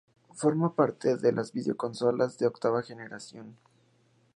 Forma parte de las videoconsolas de octava generación.